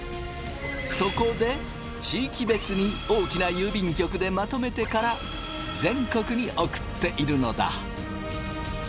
そこで地域別に大きな郵便局でまとめてから全国に送っているのだ！